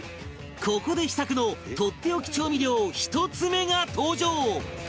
ここで秘策のとっておき調味料１つ目が登場